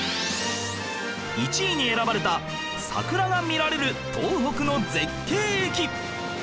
１位に選ばれた桜が見られる東北の絶景駅